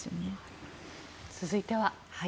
続いては。